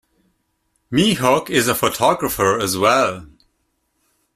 Mihok is a photographer as well.